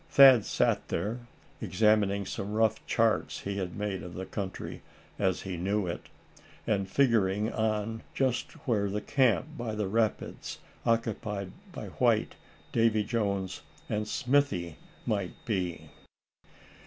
Thad sat there, examining some rough charts he had made of the country, as he knew it; and figuring on just where the camp by the rapids, occupied by Bob White, Davy Jones and Smithy, must be.